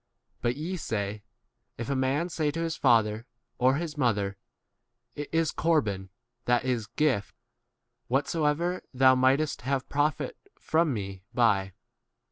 But ye say, If a man say to his father or his mother, [It is] corban (that is, gift), whatsoever thou mightest 12 have profit from me by.